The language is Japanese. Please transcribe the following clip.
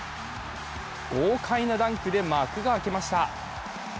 豪快なダンクで幕が開きました。